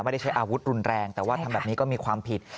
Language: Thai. ใช้อาวุธรุนแรงแต่ว่าทำแบบนี้ก็มีความผิด